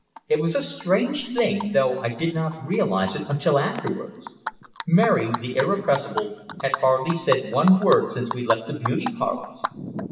It was a strange thing, though I did not realize it until afterwards. Mary, the irrepressible, had hardly said one word since we left the beauty parlors!